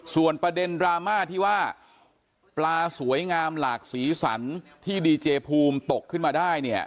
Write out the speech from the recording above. ส่วนประเด็นดราม่าที่ว่าปลาสวยงามหลากสีสันที่ดีเจภูมิตกขึ้นมาได้เนี่ย